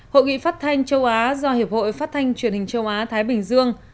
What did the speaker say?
hội nghị phát thanh châu á do hiệp hội phát thanh truyền hình châu á thái bình dương